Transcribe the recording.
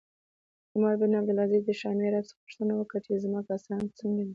عمر بن عبدالعزیز د شامي عرب څخه پوښتنه وکړه چې زما کسان څنګه دي